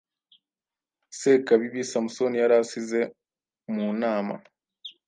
Sekabibi Samusoni yari asize mu nama